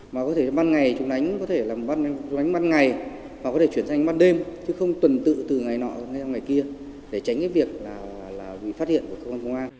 và có thể ban ngày chúng đánh có thể là ban ngày hoặc có thể chuyển sang ban đêm chứ không tuần tự từ ngày nọ đến ngày kia để tránh việc bị phát hiện của công an